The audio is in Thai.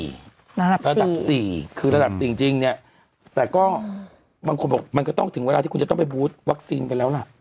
ระดับระดับสี่คือระดับ๔จริงเนี่ยแต่ก็บางคนบอกมันก็ต้องถึงเวลาที่คุณจะต้องไปบูธวัคซีนไปแล้วล่ะ